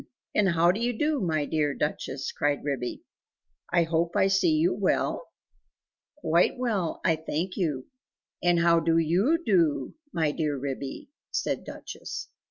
and how do you do, my dear Duchess?" cried Ribby. "I hope I see you well?" "Quite well, I thank you, and how do YOU do, my dear Ribby?" said Duchess.